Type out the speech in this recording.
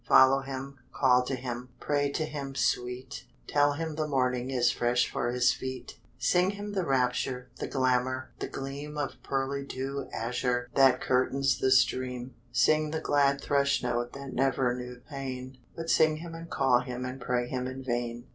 Follow him, call to him, Pray to him, Sweet, Tell him the morning Is fresh for his feet; Sing him the rapture, The glamour, the gleam Of pearly dew azure That curtains the stream; Sing the glad thrushnote That never knew pain, But sing him and call him And pray him in vain.